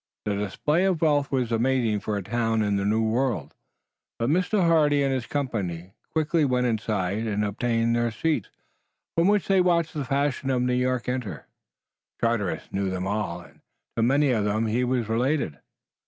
The display of wealth was amazing for a town in the New World, but Mr. Hardy and his company quickly went inside and obtained their seats, from which they watched the fashion of New York enter. Charteris knew them all, and to many of them he was related.